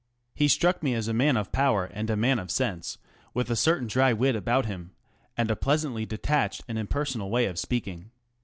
He struck me as a man of power and a man of sense, with a certain dry wit about him, and a pleasantly detached and impersonal way of speaking.